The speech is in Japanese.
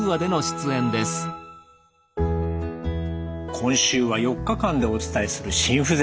今週は４日間でお伝えする心不全。